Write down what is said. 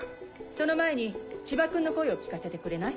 その前に千葉君の声を聞かせてくれない？